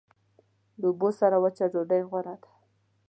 د اوبو سره وچه ډوډۍ غوره ده.